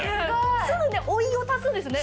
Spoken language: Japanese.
すぐね追いを足すんですよね。